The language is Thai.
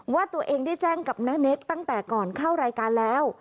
ว่าตัวเองได้แจ้งกับน้าเนคตั้งแต่ก่อนเข้ารายการแล้ว